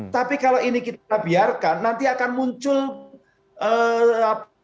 tapi kalau ini kita biarkan nanti akan muncul korban korban baru penahanan penahanan baru